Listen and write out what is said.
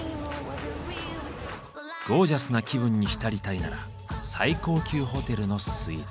ゴージャスな気分に浸りたいなら最高級ホテルのスイーツ。